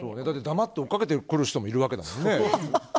黙って追いかけてくる人もいるわけだからね。